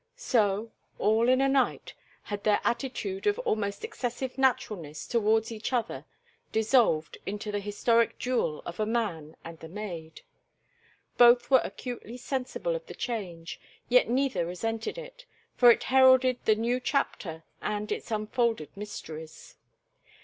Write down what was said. So, all in a night, had their attitude of almost excessive naturalness towards each other dissolved into the historic duel of the man and the maid. Both were acutely sensible of the change, yet neither resented it, for it heralded the new chapter and its unfolded mysteries.